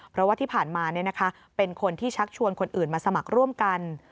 เพราะว่าที่ผ่านมาเป็นคนที่ชักชวนคนอื่นมาสมัครร่วมกัน